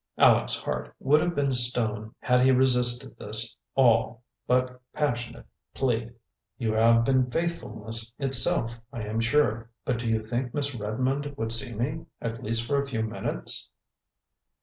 Aleck's heart would have been stone had he resisted this all but passionate plea. "You have been faithfulness itself, I am sure. But do you think Miss Redmond would see me, at least for a few minutes?"